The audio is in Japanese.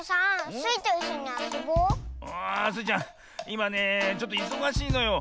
いまねちょっといそがしいのよ。